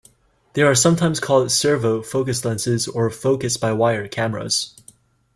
They are sometimes called "servo" focus lenses or "focus by wire" cameras.